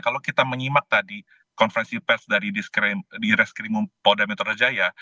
kalau kita menyimak tadi konferensi pers dari di reskrim polda metodajaya